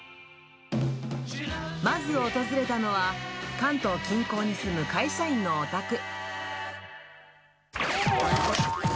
まず訪れたのは、関東近郊に住む会社員のお宅。